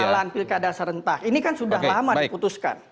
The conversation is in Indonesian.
ketika pilih kandang itu berjalan pilih kandang serentak ini kan sudah lama diputuskan